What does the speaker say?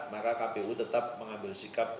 maka kpu tetap mengambil sikap